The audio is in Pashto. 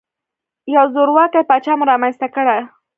یو زورواکۍ پاچا مو رامنځته کړ.